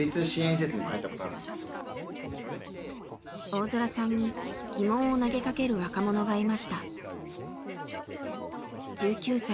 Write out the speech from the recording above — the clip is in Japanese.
大空さんに疑問を投げかける若者がいました。